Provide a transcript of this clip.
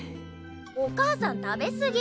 お母さん食べ過ぎ。